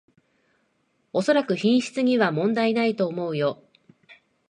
おそらく品質には問題ないと思うよ